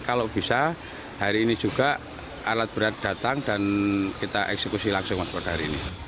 kalau bisa hari ini juga alat berat datang dan kita eksekusi langsung mas pada hari ini